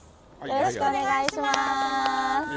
よろしくお願いします